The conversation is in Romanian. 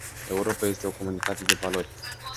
Europa este o comunitate de valori.